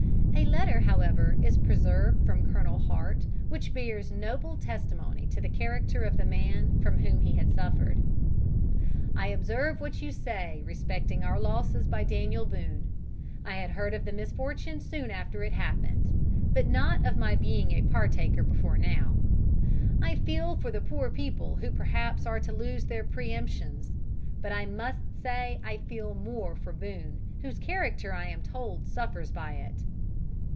A letter, however, is preserved from Colonel Hart, which bears noble testimony to the character of the man from whom he had suffered: "I observe what you say respecting our losses by Daniel Boone. I had heard of the misfortune soon after it happened, but not of my being a partaker before now. I feel for the poor people who perhaps are to lose their pre emptions. But I must say I feel more for Boone, whose character I am told suffers by it.